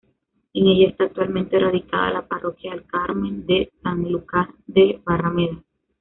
En ella está actualmente radicada la Parroquia del Carmen de Sanlúcar de Barrameda.